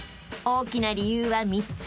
［大きな理由は３つ］